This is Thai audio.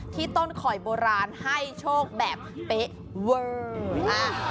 ที่ต้นคอยโบราณให้โชคแบบเป๊ะเวอร์